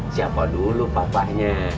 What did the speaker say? siapa dulu papanya